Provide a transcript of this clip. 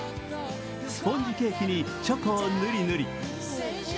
スポンジケーキにチョコを塗り塗り。